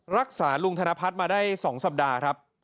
รักษาลุงธนพัฒน์มาได้๒สัปดาห์ครับ